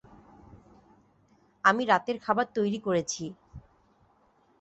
আমি রাতের খাবার তৈরি করেছি।